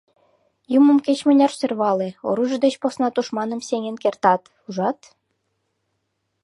Юмым кеч-мыняр сӧрвале, оружий деч посна тушманым сеҥен кертат, ужат...